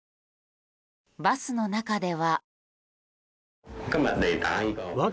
バスの中では。